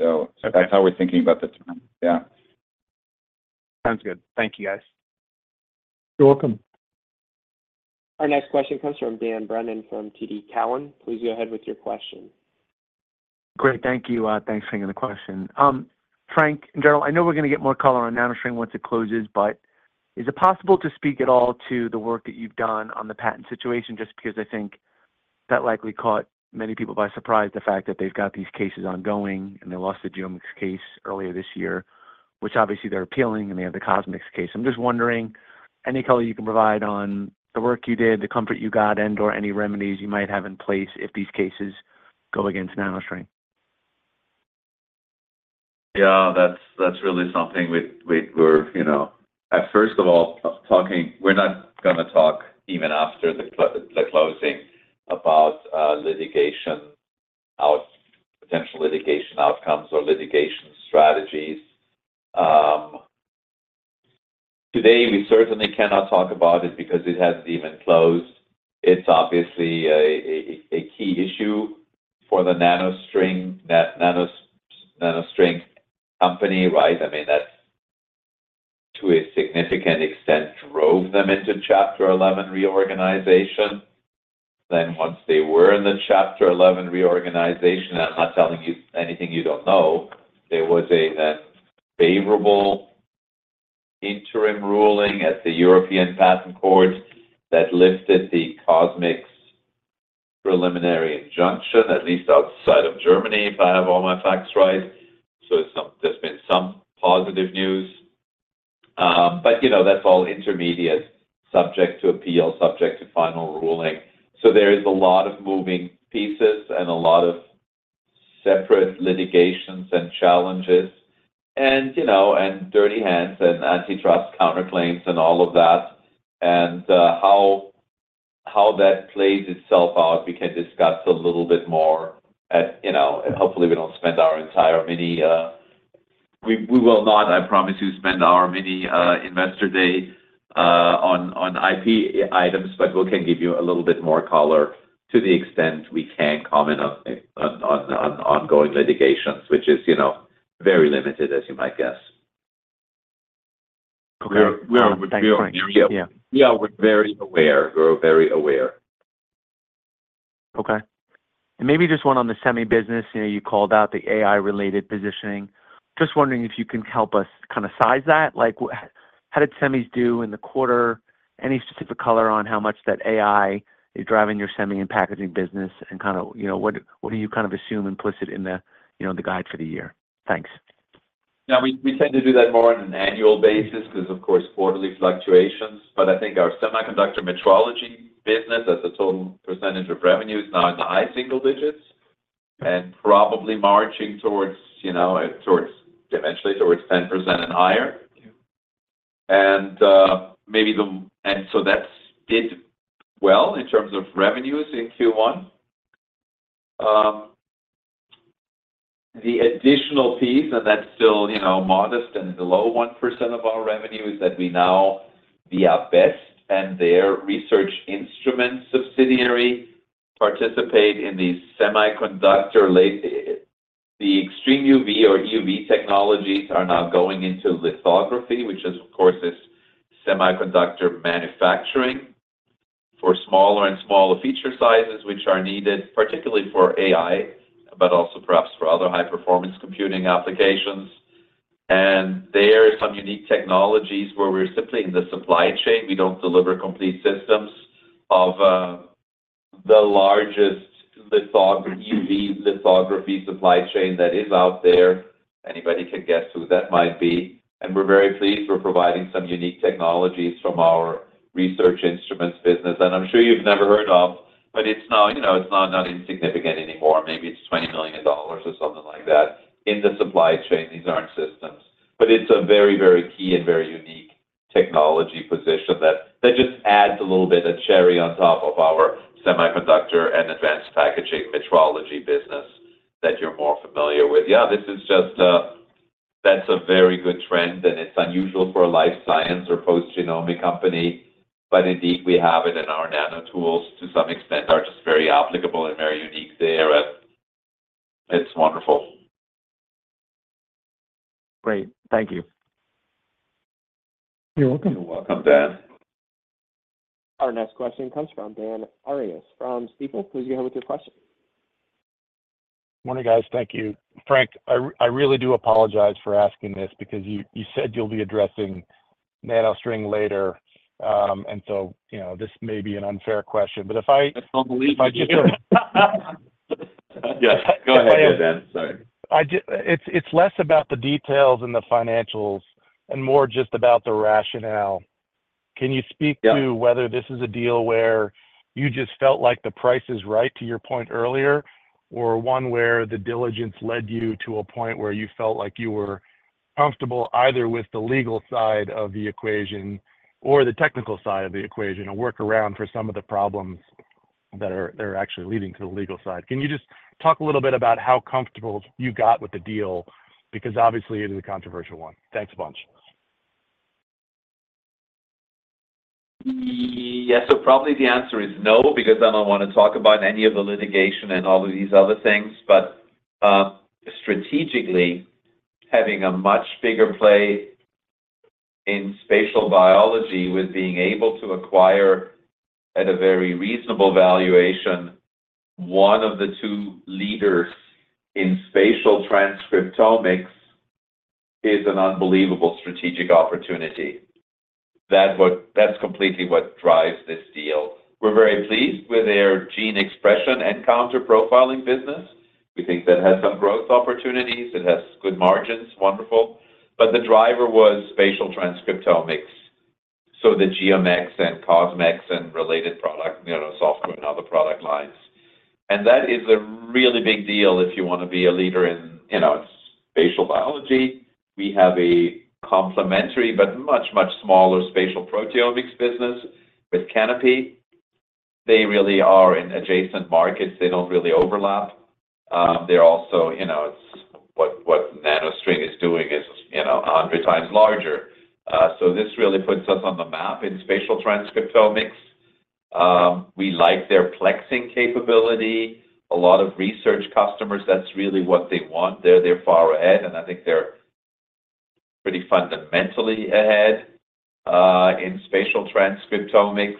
So that's how we're thinking about the time. Yeah. Sounds good. Thank you, guys. You're welcome. Our next question comes from Dan Brennan from TD Cowen. Please go ahead with your question. Great. Thank you. Thanks for hanging on the question. Frank, in general, I know we're going to get more color on NanoString once it closes, but is it possible to speak at all to the work that you've done on the patent situation just because I think that likely caught many people by surprise, the fact that they've got these cases ongoing, and they lost the GeoMx case earlier this year, which obviously, they're appealing, and they have the CosMx case? I'm just wondering any color you can provide on the work you did, the comfort you got, and/or any remedies you might have in place if these cases go against NanoString. Yeah. That's really something we're first of all, we're not going to talk even after the closing about potential litigation outcomes or litigation strategies. Today, we certainly cannot talk about it because it hasn't even closed. It's obviously a key issue for the NanoString company, right? I mean, that to a significant extent drove them into Chapter 11 reorganization. Then once they were in the Chapter 11 reorganization, and I'm not telling you anything you don't know, there was a then favorable interim ruling at the European Patent Court that lifted the CosMx preliminary injunction, at least outside of Germany, if I have all my facts right. So there's been some positive news. But that's all intermediate, subject to appeal, subject to final ruling. So there is a lot of moving pieces and a lot of separate litigations and challenges and dirty hands and antitrust counterclaims and all of that. How that plays itself out, we can discuss a little bit more. Hopefully, we don't spend our entire mini—we will not, I promise you—spend our mini investor day on IP items, but we can give you a little bit more color to the extent we can comment on ongoing litigations, which is very limited, as you might guess. Okay. We are aware of the scenario. Yeah. We are very aware. We're very aware. Okay. And maybe just one on the Semi business. You called out the AI-related positioning. Just wondering if you can help us kind of size that. How did Semis do in the quarter? Any specific color on how much that AI is driving your Semi and packaging business and kind of what do you kind of assume implicit in the guide for the year? Thanks. Yeah. We tend to do that more on an annual basis because, of course, quarterly fluctuations. But I think our semiconductor metrology business, as a total percentage of revenues, now is high single digits and probably marching towards eventually towards 10% and higher. And maybe the and so that did well in terms of revenues in Q1. The additional piece, and that's still modest and the low 1% of our revenue, is that we now, via BEST and their Research Instruments subsidiary, participate in these semiconductor the extreme UV or EUV technologies are now going into lithography, which, of course, is semiconductor manufacturing for smaller and smaller feature sizes, which are needed, particularly for AI, but also perhaps for other high-performance computing applications. And there are some unique technologies where we're simply in the supply chain. We don't deliver complete systems of the largest UV lithography supply chain that is out there. Anybody can guess who that might be. And we're very pleased we're providing some unique technologies from our research instruments business. And I'm sure you've never heard of, but it's now not insignificant anymore. Maybe it's $20 million or something like that in the supply chain. These aren't systems. But it's a very, very key and very unique technology position that just adds a little bit of cherry on top of our semiconductor and advanced packaging metrology business that you're more familiar with. Yeah. That's a very good trend, and it's unusual for a life science or post-genomic company. But indeed, we have it, and our nano tools, to some extent, are just very applicable and very unique there. And it's wonderful. Great. Thank you. You're welcome. You're welcome, Dan. Our next question comes from Dan Arias from Stifel. Please go ahead with your question. Morning, guys. Thank you. Frank, I really do apologize for asking this because you said you'll be addressing NanoString later. And so this may be an unfair question. But if I just. Yes. Go ahead, Dan. Sorry. It's less about the details and the financials and more just about the rationale. Can you speak to whether this is a deal where you just felt like the price is right, to your point earlier, or one where the diligence led you to a point where you felt like you were comfortable either with the legal side of the equation or the technical side of the equation, a workaround for some of the problems that are actually leading to the legal side? Can you just talk a little bit about how comfortable you got with the deal because, obviously, it is a controversial one? Thanks a bunch. Yeah. So probably the answer is no because I don't want to talk about any of the litigation and all of these other things. But strategically, having a much bigger play in spatial biology with being able to acquire, at a very reasonable valuation, one of the two leaders in spatial transcriptomics is an unbelievable strategic opportunity. That's completely what drives this deal. We're very pleased with their gene expression and nCounter profiling business. We think that has some growth opportunities. It has good margins. Wonderful. But the driver was spatial transcriptomics, so the GeoMx and CosMx and related product, software and other product lines. And that is a really big deal if you want to be a leader in spatial biology. We have a complementary but much, much smaller spatial proteomics business with Canopy. They really are in adjacent markets. They don't really overlap. They're also what NanoString is doing is 100 times larger. So this really puts us on the map in spatial transcriptomics. We like their plexing capability. A lot of research customers, that's really what they want. They're far ahead. And I think they're pretty fundamentally ahead in spatial transcriptomics.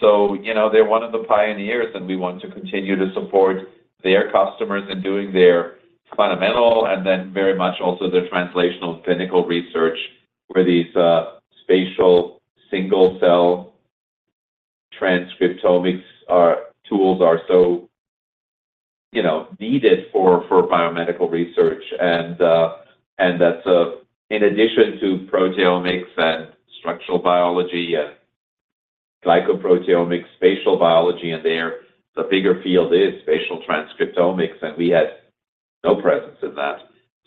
So they're one of the pioneers, and we want to continue to support their customers in doing their fundamental and then very much also their translational clinical research where these spatial single-cell transcriptomics tools are so needed for biomedical research. And that's in addition to proteomics and structural biology and glycoproteomics, spatial biology, and the bigger field is spatial transcriptomics. And we had no presence in that.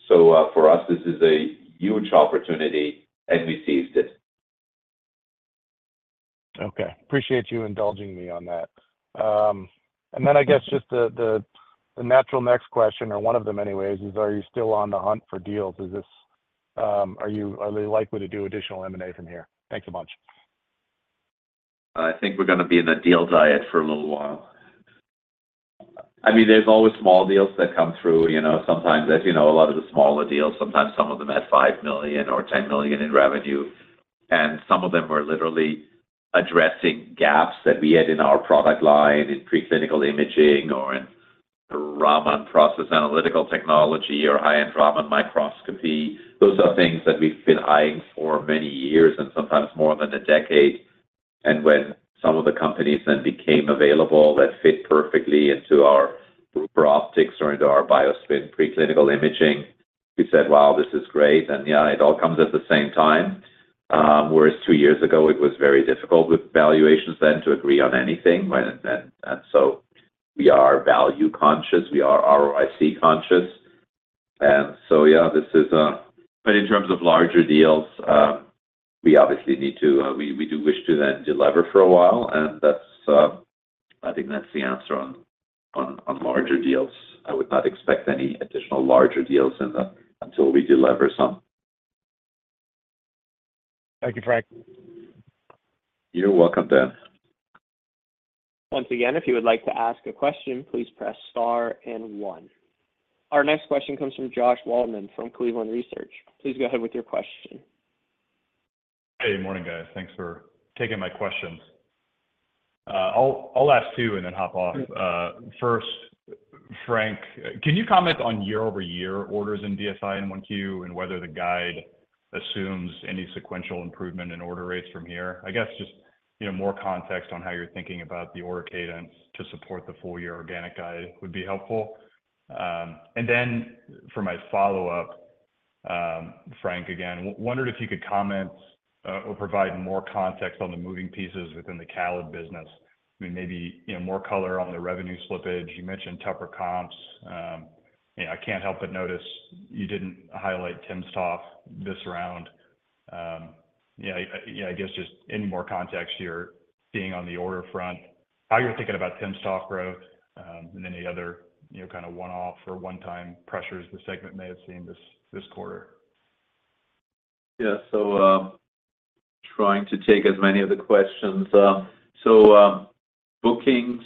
So for us, this is a huge opportunity, and we seized it. Okay. Appreciate you indulging me on that. Then I guess just the natural next question, or one of them anyways, is are you still on the hunt for deals? Are they likely to do additional M&A from here? Thanks a bunch. I think we're going to be in a deal diet for a little while. I mean, there's always small deals that come through. Sometimes, as you know, a lot of the smaller deals, sometimes some of them at $5 million or $10 million in revenue. And some of them are literally addressing gaps that we had in our product line in preclinical imaging or in Raman process analytical technology or high-end Raman microscopy. Those are things that we've been eyeing for many years and sometimes more than a decade. And when some of the companies then became available that fit perfectly into our Bruker Optics or into our BioSpin preclinical imaging, we said, "Wow, this is great." And yeah, it all comes at the same time. Whereas two years ago, it was very difficult with valuations then to agree on anything. And so we are value-conscious. We are ROIC-conscious. So yeah, this is, but in terms of larger deals, we obviously need to. We do wish to then deliver for a while. And I think that's the answer on larger deals. I would not expect any additional larger deals until we deliver some. Thank you, Frank. You're welcome, Dan. Once again, if you would like to ask a question, please press star and one. Our next question comes from Josh Waldman from Cleveland Research. Please go ahead with your question. Hey. Morning, guys. Thanks for taking my questions. I'll ask two and then hop off. First, Frank, can you comment on year-over-year orders in BSI and 1Q and whether the guide assumes any sequential improvement in order rates from here? I guess just more context on how you're thinking about the order cadence to support the full-year organic guide would be helpful. And then for my follow-up, Frank, again, wondered if you could comment or provide more context on the moving pieces within the CALID business. I mean, maybe more color on the revenue slippage. You mentioned tough comps. I can't help but notice you didn't highlight timsTOF this round. Yeah. I guess just any more context here being on the order front, how you're thinking about timsTOF growth, and any other kind of one-off or one-time pressures the segment may have seen this quarter. Yeah. So trying to take as many of the questions. So bookings,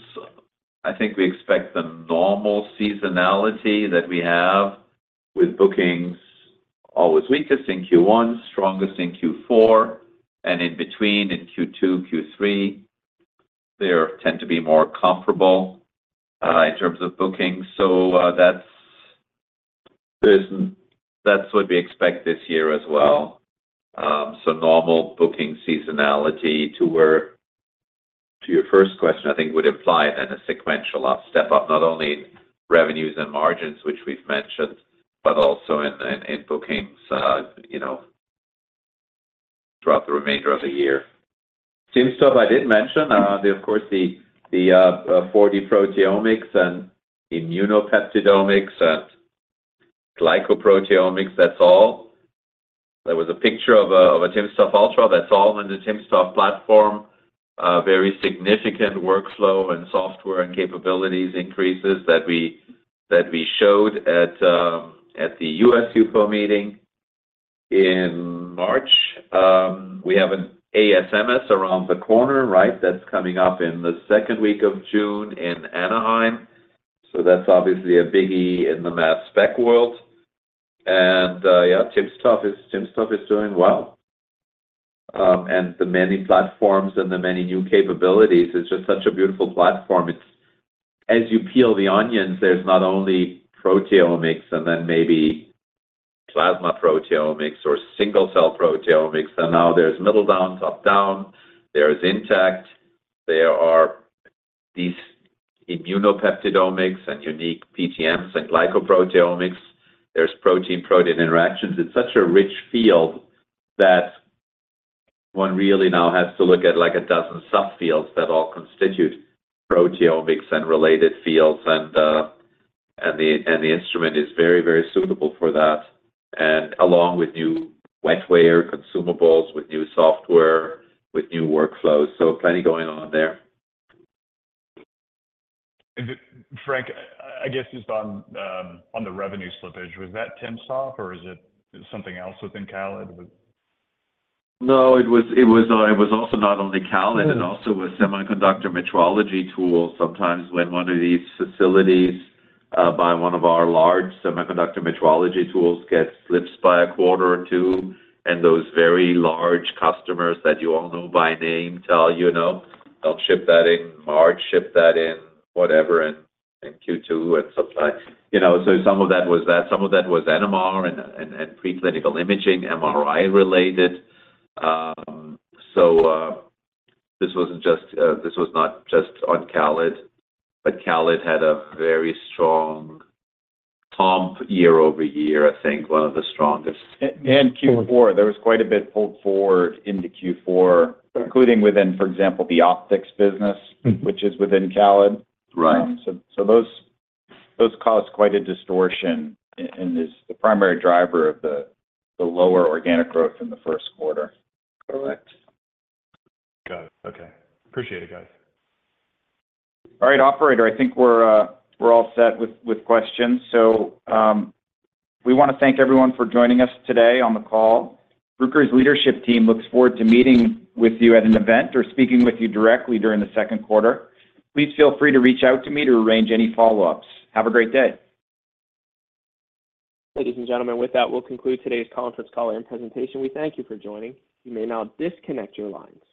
I think we expect the normal seasonality that we have with bookings always weakest in Q1, strongest in Q4, and in between in Q2, Q3. They tend to be more comparable in terms of bookings. So that's what we expect this year as well. So normal booking seasonality to where to your first question, I think would imply then a sequential step-up, not only in revenues and margins, which we've mentioned, but also in bookings throughout the remainder of the year. timsTOF, I did mention. Of course, the 4D-Proteomics and immunopeptidomics and glycoproteomics. That's all. There was a picture of a timsTOF Ultra. That's all on the timsTOF platform. Very significant workflow and software and capabilities increases that we showed at the US HUPO meeting in March. We have an ASMS around the corner, right? That's coming up in the second week of June in Anaheim. So that's obviously a biggie in the mass spec world. And yeah, timsTOF is doing well. And the many platforms and the many new capabilities. It's just such a beautiful platform. As you peel the onions, there's not only proteomics and then maybe plasma proteomics or single-cell proteomics. And now there's middle down, top down. There's intact. There are these immunopeptidomics and unique PTMs and glycoproteomics. There's protein-protein interactions. It's such a rich field that one really now has to look at a dozen subfields that all constitute proteomics and related fields. And the instrument is very, very suitable for that, along with new wetware, consumables, with new software, with new workflows. So plenty going on there. Frank, I guess just on the revenue slippage, was that timsTOF, or is it something else within CALID? No. It was also not only CALID and also with semiconductor metrology tools. Sometimes when one of these facilities by one of our large semiconductor metrology tools gets slipped by a quarter or two, and those very large customers that you all know by name tell, "I'll ship that in March. Ship that in whatever in Q2 and supply." So some of that was that. Some of that was NMR and preclinical imaging, MRI-related. So this wasn't just; this was not just on CALID, but CALID had a very strong comp year-over-year, I think, one of the strongest. Q4. There was quite a bit pulled forward into Q4, including within, for example, the optics business, which is within CALID. So those caused quite a distortion and is the primary driver of the lower organic growth in the first quarter. Correct. Got it. Okay. Appreciate it, guys. All right, operator. I think we're all set with questions. We want to thank everyone for joining us today on the call. Bruker's leadership team looks forward to meeting with you at an event or speaking with you directly during the second quarter. Please feel free to reach out to me to arrange any follow-ups. Have a great day. Ladies and gentlemen, with that, we'll conclude today's conference call and presentation. We thank you for joining. You may now disconnect your lines.